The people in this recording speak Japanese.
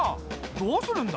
どうするんだ？